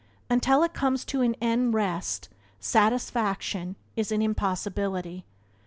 Until it comes to an end rest, satisfaction, is an impossibility.